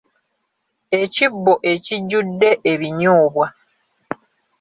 Ekibbo ekijjudde ebinyoobwa .